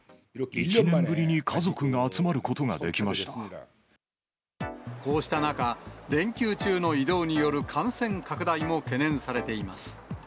１年ぶりに家族が集まることこうした中、連休中の移動による感染拡大も懸念されています。